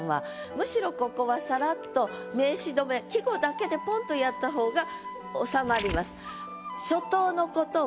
むしろここはサラッと名詞止め季語だけでポンとやった方が収まります。